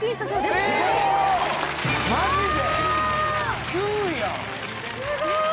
すごい！